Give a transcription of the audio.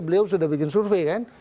beliau sudah bikin survei kan